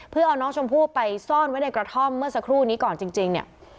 เพื่อเอาน้องชมพู่ไปซ่อนไว้ในกระท่อมเมื่อสักครู่นี้ก่อนจริงเนี่ย